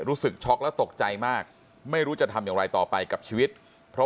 ช็อกและตกใจมากไม่รู้จะทำอย่างไรต่อไปกับชีวิตเพราะ